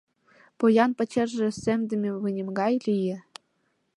Поян пачерже семдыме вынем гай лие.